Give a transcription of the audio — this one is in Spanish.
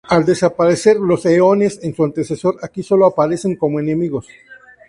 Al desaparecer los eones en su antecesor, aquí sólo aparecen como enemigos.